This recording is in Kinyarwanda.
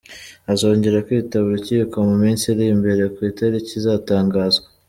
Azongera kwitaba urukiko mu minsi iri imbere, ku itariki izatangazwa.